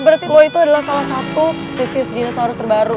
berarti lo itu adalah salah satu stesis dinosaurus terbaru